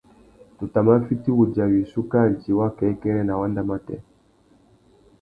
Tu tà mà fiti wudja wissú kā djï wakêkêrê nà wanda matê.